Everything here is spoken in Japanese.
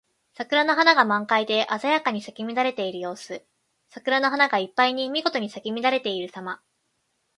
桜の花が満開で鮮やかに咲き乱れている様子。桜の花がいっぱいにみごとに咲き乱れているさま。